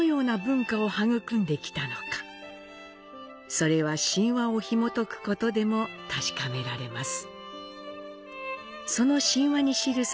それは神話をひもとくことでも確かめられます。